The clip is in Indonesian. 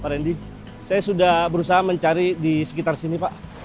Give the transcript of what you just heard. pak randy saya sudah berusaha mencari di sekitar sini pak